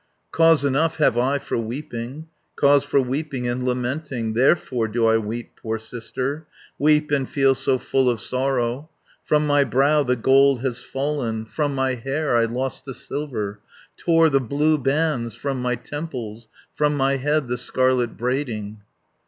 "Cause enough have I for weeping, Cause for weeping and lamenting. Therefore do I weep, poor sister, Weep and feel so full of sorrow. 70 From my brow the gold has fallen, From my hair I lost the silver, Tore the blue bands from my temples, From my head the scarlet braiding."